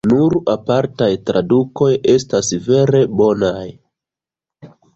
Nur apartaj tradukoj estas vere bonaj.